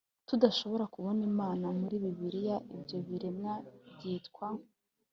tudashobora kubona imana. muri bibiliya, ibyo biremwa byitwa